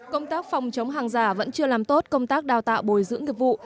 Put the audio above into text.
công tác phòng chống hàng giả vẫn chưa làm tốt công tác đào tạo bồi dưỡng nghiệp vụ